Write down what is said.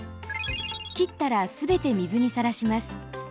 切ったらすべて水にさらします。